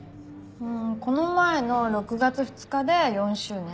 んこの前の６月２日で４周年。